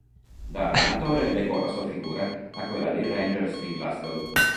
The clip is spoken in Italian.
Da allenatore legò la sua figura a quella dei Rangers di Glasgow.